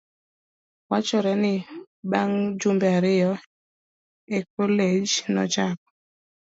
Wachore ni bang' jumbe ariyo e kolej, nochako